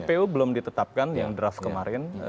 kpu belum ditetapkan yang draft kemarin